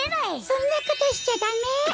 そんなことしちゃダメ！